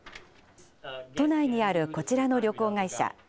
都内にあるこちらの旅行会社。